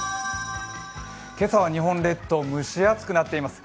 今朝は日本列島、蒸し暑くなっています。